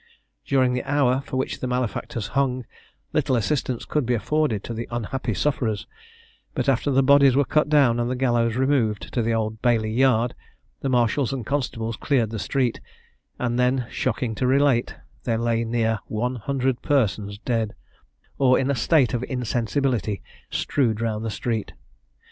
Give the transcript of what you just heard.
During the hour for which the malefactors hung, little assistance could be afforded to the unhappy sufferers; but after the bodies were cut down, and the gallows removed to the Old Bailey yard, the marshals and constables cleared the street, and then, shocking to relate, there lay near one hundred persons dead, or in a state of insensibility, strewed round the street.